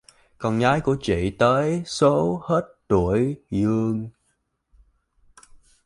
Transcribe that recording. Con gái của chị tới số hết tuổi dương